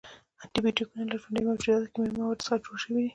انټي بیوټیکونه له ژوندیو موجوداتو، کیمیاوي موادو څخه جوړ شوي دي.